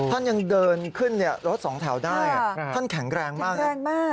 ท่านยังเดินขึ้นรถสองแถวได้ท่านแข็งแรงมากนะแรงมาก